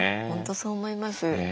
本当そう思います。